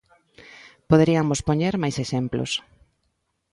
Poderiamos poñer máis exemplos.